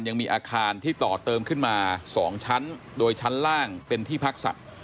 ยังมีอาคารที่ต่อเติมขึ้นมา๒ชั้นโดยชั้นล่างเป็นที่พักสัตว์